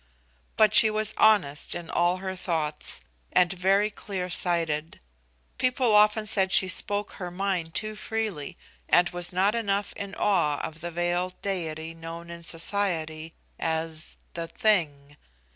But she was honest in all her thoughts, and very clear sighted. People often said she spoke her mind too freely, and was not enough in awe of the veiled deity known in society as "The Thing."